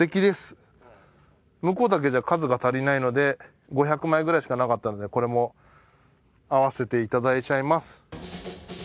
向こうだけじゃ数が足りないので５００枚ぐらいしかなかったのでこれもあわせていただいちゃいます